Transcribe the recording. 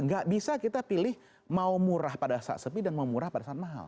nggak bisa kita pilih mau murah pada saat sepi dan mau murah pada saat mahal